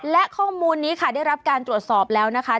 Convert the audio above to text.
และข้อมูลนี้ค่ะได้รับการตรวจสอบแล้วนะคะ